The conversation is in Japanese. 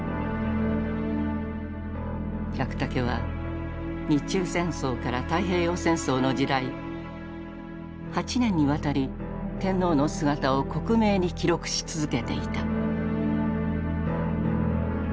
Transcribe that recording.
百武は日中戦争から太平洋戦争の時代８年にわたり天皇の姿を克明に記録し続けていた。